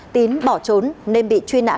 tín bỏ trốn nên bị truy nã